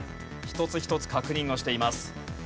一つ一つ確認をしています。